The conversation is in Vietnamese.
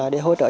để hỗ trợ